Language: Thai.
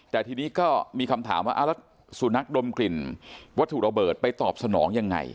แต่ทีนี้ก็มีคำถามว่าแล้วสุนัขดมกลิ่นวัตถุระเบิดไปตอบสนองยังไง